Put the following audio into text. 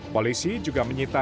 polisi juga menyitirkan